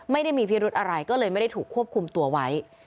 ไม่ได้มีพิรุธอะไรก็เลยไม่ได้ถูกควบคุมตัวไว้